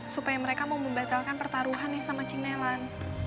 supaya mereka mau membatalkan pertaruhan nih sama cinelan